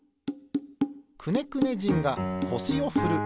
くねくね人がこしをふる。